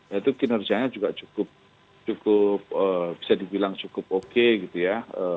yaitu kinerjanya juga cukup bisa dibilang cukup oke gitu ya